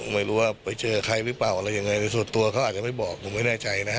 ไม่รู้ว่าไปเจอใครหรือเปล่าอะไรยังไงแต่ส่วนตัวเขาอาจจะไม่บอกผมไม่แน่ใจนะฮะ